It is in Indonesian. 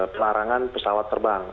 pelarangan pesawat terbang